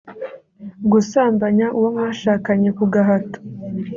gusambanya uwo mwashakanye ku gahato